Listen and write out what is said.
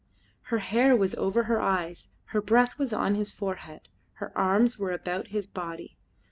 Her hair was over his eyes, her breath was on his forehead, her arms were about his body.